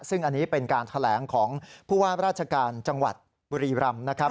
ซึ่งอันนี้เป็นการแถลงของผู้ว่าราชการจังหวัดบุรีรำนะครับ